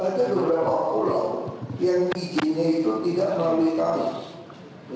ada berapa pulau yang izinnya itu tidak terlalu hitam